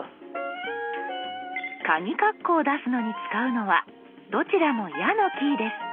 カギカッコを出すのに使うのはどちらも「や」のキーです。